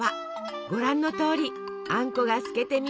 ご覧のとおりあんこが透けて見えるほど。